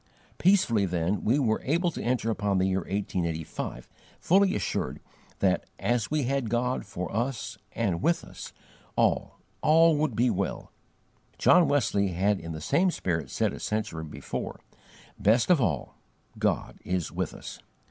Peacefully, then, we were able to enter upon the year 1885, fully assured that, as we had God FOR us and WITH us, ALL, ALL would be well." John Wesley had in the same spirit said a century before, "Best of all, God is with us."